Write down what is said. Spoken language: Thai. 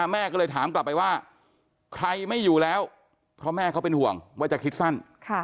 แม่ก็เลยถามกลับไปว่าใครไม่อยู่แล้วเพราะแม่เขาเป็นห่วงว่าจะคิดสั้น